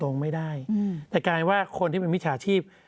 ไม่ได้แต่กลายว่าคนที่เป็นมิจฉาชีพ